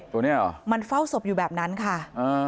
ตัวนี้เหรอมันเฝ้าศพอยู่แบบนั้นค่ะ